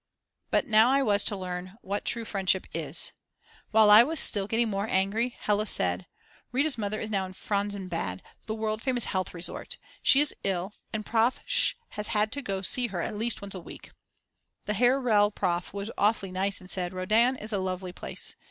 _ But now I was to learn what true friendship is. While I was getting still more angry, Hella said: Rita's Mother is now in Franzensbad, the world famous health resort; she is ill, and Prof. Sch. has to go and see her at least once a week. The Herr Rel. Prof. was awfully nice and said: Rodaun is a lovely place.